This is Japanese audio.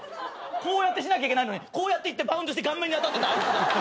こうやってしなきゃいけないのにこうやっていってバウンドして顔面に当たってたあいつが。